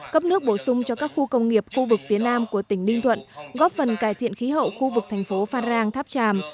cấp nước bổ sung cho các khu công nghiệp khu vực phía nam của tỉnh ninh thuận góp phần cải thiện khí hậu khu vực thành phố phan rang tháp tràm